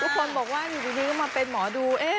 คนบอกว่าอยู่ดีก็มาเป็นหมอดู